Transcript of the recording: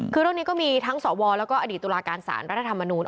คือเรื่องนี้ก็มีทั้งสวแล้วก็อดีตตุลาการสารรัฐธรรมนูล